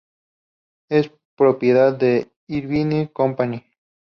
Es propiedad de Irvine Company.